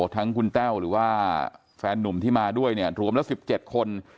ทั้งคุณแต้วหรือว่าแฟนนุ่มที่มาด้วยเนี่ยรวมแล้ว๑๗คน